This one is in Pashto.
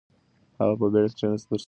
هغه په بېړه کښېناست ترڅو خپل شاوخوا وڅاري.